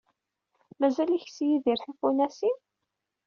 Mazal ikess Yidir tifunasin?